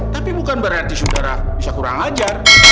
tapi bukan berarti saudara bisa kurang ajar